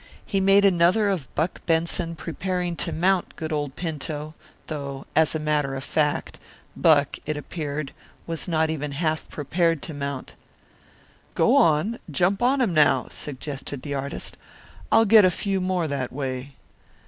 He made another of Buck Benson preparing to mount good old Pinto; though, as a matter of fact, Buck, it appeared, was not even half prepared to mount. "Go on, jump on him now," suggested the artist. "I'll get a few more that way."